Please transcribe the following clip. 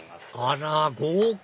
あら豪華！